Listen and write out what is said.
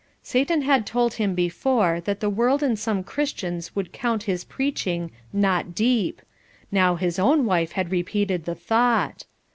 Satan had told him before that the world and some Christians would count his preaching "not deep;" now his own wife had repeated the thought.